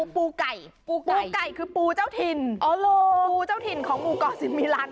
ปูไก่ปูไก่ปูไก่คือปูเจ้าถิ่นปูเจ้าถิ่นของหมู่เกาะสิมิลัน